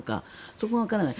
そこがわからない。